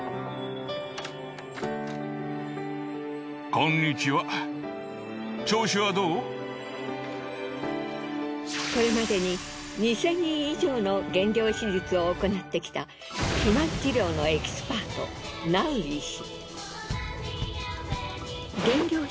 そんな彼のこれまでに２，０００人以上の減量手術をおこなってきた肥満治療のエキスパートナウ医師。